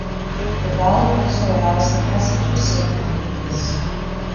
The valve also allows the passage of cervical mucus.